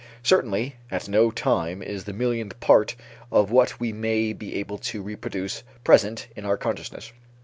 Certainly at no time is the millionth part of what we may be able to reproduce present in our consciousness.